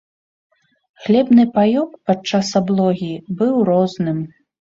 Хлебны паёк падчас аблогі быў розным.